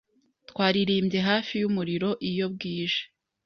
Twaririmbye hafi yumuriro iyo bwije.